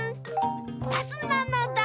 バスなのだ！